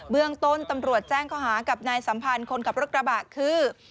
เรื่องต้นตำรวจแจ้งข้อหากับนายสัมพันธ์คนขับรถกระบะคือ